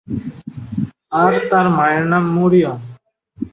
আর তার মায়ের নাম মরিয়ম।